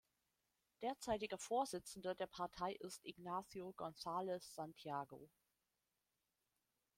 Derzeitiger Vorsitzender der Partei ist "Ignacio González Santiago".